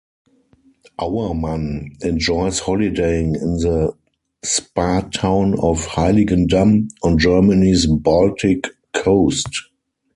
Auermann enjoys holidaying in the spa town of Heiligendamm, on Germany's Baltic coast.